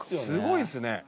すごいですね。